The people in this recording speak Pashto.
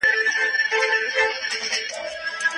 په دې اداره کي نویو او ګټورو بدلونونو ته هرکلی ویل کېږي.